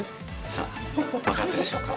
さあ、分かったでしょうか。